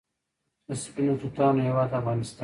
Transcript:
د سپینو توتانو هیواد افغانستان.